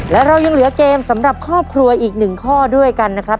และเรายังเหลือเกมสำหรับครอบครัวอีกหนึ่งข้อด้วยกันนะครับ